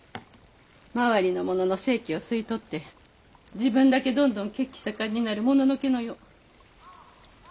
周りの者の生気を吸い取って自分だけどんどん血気盛んになるもののけのよう。